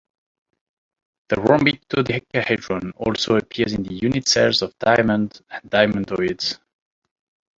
The rhombic dodecahedron also appears in the unit cells of diamond and diamondoids.